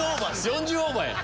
４０オーバーやん。